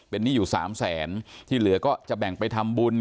หนี้อยู่๓แสนที่เหลือก็จะแบ่งไปทำบุญ